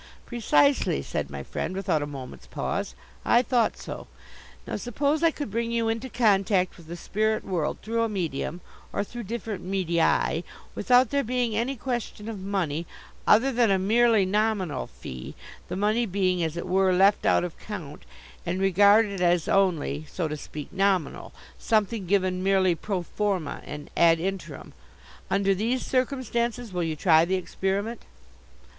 "Precisely," said my Friend without a moment's pause. "I thought so. Now suppose I could bring you into contact with the spirit world through a medium, or through different medii, without there being any question of money, other than a merely nominal fee, the money being, as it were, left out of count, and regarded as only, so to speak, nominal, something given merely pro forma and ad interim. Under these circumstances, will you try the experiment?"